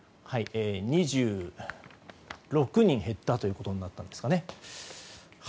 ２６人減ったということになったんですかね。